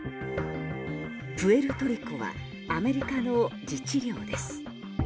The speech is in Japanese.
プエルトリコはアメリカの自治領です。